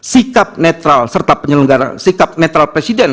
sikap netral serta penyelenggara sikap netral presiden